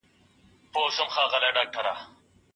که د پوسته خانې ټاپه نیمه ړنګه وي نو ماشین یې پوره کوي.